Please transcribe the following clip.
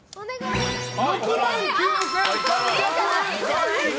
６万９３００円！